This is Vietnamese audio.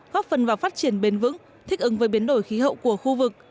góp phần vào phát triển bền vững thích ứng với biến đổi khí hậu của khu vực